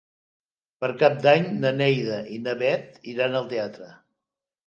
Per Cap d'Any na Neida i na Bet iran al teatre.